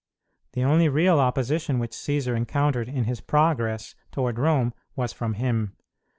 The only real opposition which Cćsar encountered in his progress toward Rome was from him.